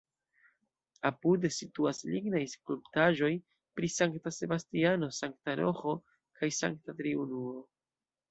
Apude situas lignaj skulptaĵoj pri Sankta Sebastiano, Sankta Roĥo kaj Sankta Triunuo.